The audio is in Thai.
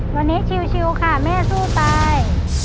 วันนี้ชิวค่ะแม่สู้ตาย